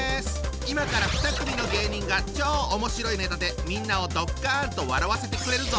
今から２組の芸人が超おもしろいネタでみんなをドッカンと笑わせてくれるぞ！